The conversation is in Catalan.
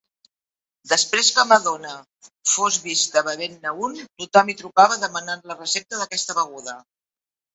Després que Madonna fos vista bevent-ne un, tothom hi trucava demanant la recepta d'aquesta beguda.